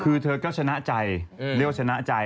คือเธอก็ชนะใจเรียกว่าชนะใจ